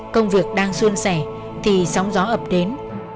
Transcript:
công việc đang xuân sẻ thì sóng gió ập đến